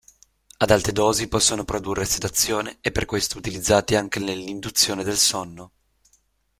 Ad alte dosi possono produrre sedazione e per questo utilizzati anche nell'induzione del sonno.